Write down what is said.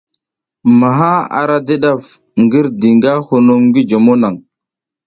Maha ara di ɗaf ngirdi nga hunum ngi jomo naŋ.